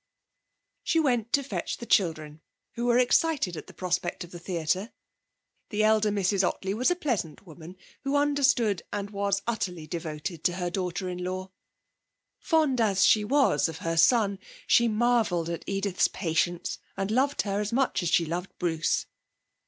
She went to fetch the children, who were excited at the prospect of a theatre. The elder Mrs Ottley was a pleasant woman, who understood and was utterly devoted to her daughter in law. Fond as she was of her son, she marvelled at Edith's patience and loved her as much as she loved Bruce.